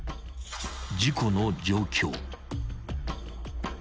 ［事故の状況］